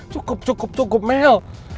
cukup cukup cukup emel